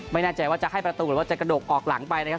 ไม่แน่ใจว่าจะให้ประตูหรือว่าจะกระดกออกหลังไปนะครับ